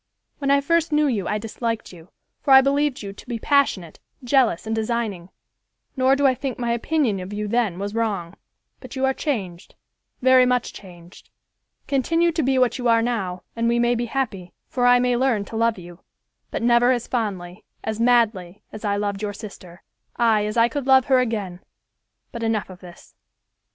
When I first knew you I disliked you, for I believed you to be passionate, jealous and designing; nor do I think my opinion of you then was wrong; but you are changed, very much changed. Continue to be what you are now, and we may be happy, for I may learn to love you, but never as fondly, as madly, as I loved your sister; ay, as I could love her again; but enough of this.